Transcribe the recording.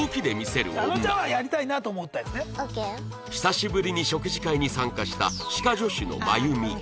久しぶりに食事会に参加した歯科助手のマユミ